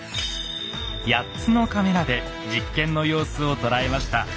８つのカメラで実験の様子を捉えました。